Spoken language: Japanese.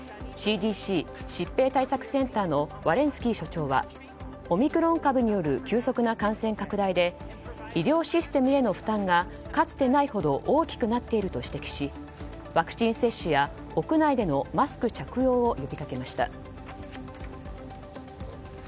ＣＤＣ・疾病対策センターのワレンスキー所長はオミクロン株による急速な感染拡大で医療システムへの負担がかつてないほど大きくなっていると指摘しワクチン接種や屋内でのマスク着用を呼びかけました。